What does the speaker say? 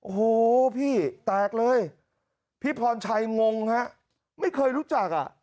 โอ้โหพี่แตกเลยพี่พรชัยงงฮะไม่เคยรู้จักอ่ะ